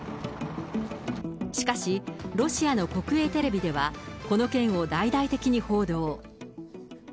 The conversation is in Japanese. しかし、ロシアの国営テレビでは、この件を大々的に報道。